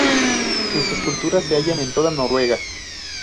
Sus esculturas se hallan en toda Noruega.